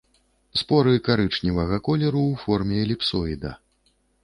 Споры карычневага колеру, у форме эліпсоіда.